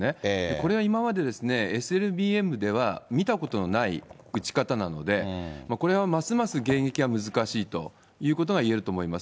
これは今まで、ＳＬＢＭでは見たことのない撃ち方なので、これはますます迎撃は難しいということがいえると思います。